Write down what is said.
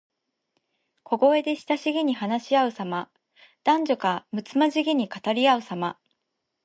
小声で親しげに話しあうさま。男女がむつまじげに語りあうさま。